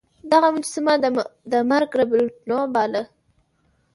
دغه مجسمه د مرګ رب النوع باله.